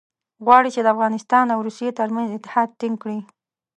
غواړي چې د افغانستان او روسیې ترمنځ اتحاد ټینګ کړي.